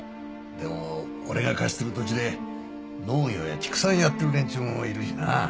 でも俺が貸してる土地で農業や畜産やってる連中もいるしな。